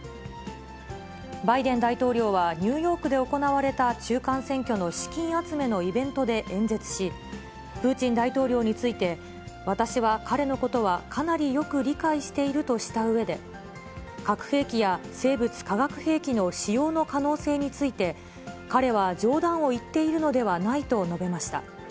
バイデン大統領はニューヨークで行われた中間選挙の資金集めのイベントで演説し、プーチン大統領について、私は彼のことはかなりよく理解しているとしたうえで、核兵器や生物・化学兵器の使用の可能性について、彼は冗談を言っているのではないと述べました。